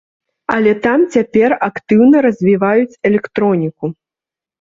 Але там цяпер актыўна развіваюць электроніку.